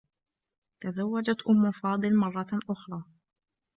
تزوّجت أمّ فاضل مرّة أخرى.